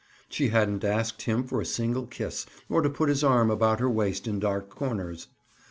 She hadn't asked him for a single kiss or to put his arm about her waist in dark corners.